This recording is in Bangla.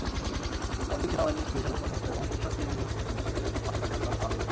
পরদিন সেনাবাহিনীর দুই সাবেক কর্মকর্তা এবং কুখ্যাত জঙ্গিগোষ্ঠীর সদস্যকে ফাঁসিকাঠে ঝোলান সাবির।